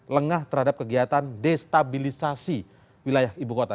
lengah terhadap kegiatan destabilisasi wilayah ibu kota